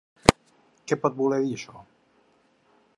Què pot voler dir això?